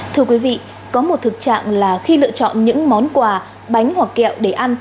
thưa quý vị có một thực trạng là khi lựa chọn những món quà bánh hoặc kẹo để ăn